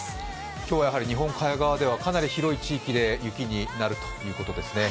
今日はやはり日本海側ではかなり広い地域で雪になるということですね。